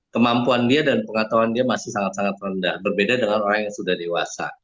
kemampuan dia dan pengetahuan dia masih sangat sangat rendah berbeda dengan orang yang sudah dewasa